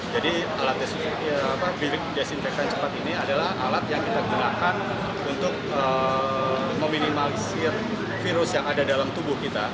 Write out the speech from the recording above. jadi alat bilik desinfektan cepat ini adalah alat yang kita gunakan untuk meminimalisir virus yang ada dalam tubuh kita